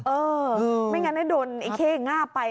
เออไม่งั้นโดนไอ้เข้ง่าไป